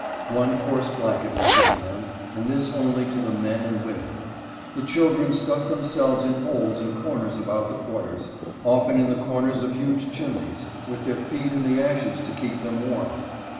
One coarse blanket was given them, and this only to the men and women. The children stuck themselves in holes and cor ners about the quarters, often in the corners of huge chim neys, with their feet in the ashes to keep them warm.